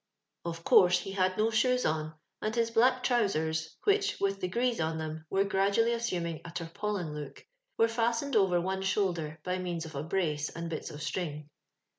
Of course he had no shoes on, and his black trousers, which, with the grease on them, were gradually assuming a tarpaulin look, were fastened over one shoulder by means of a brace and bits of string.